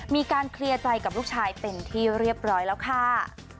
มีการเคลียร์ใจกับลูกชายเป็นที่เรียบร้อยแล้วค่ะ